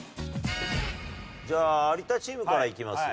じゃあ有田チームからいきますよ。